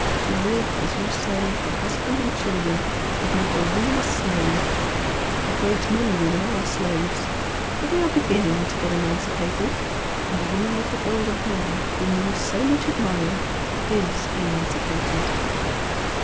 To live, as you say, for husband and children would make a woman a slave a great many women are slaves but they are beginning to get emancipated the woman with the gold hair, whom you so much admire, is emancipated."